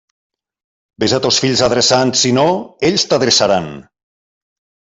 Vés a tos fills adreçant, si no, ells t'adreçaran.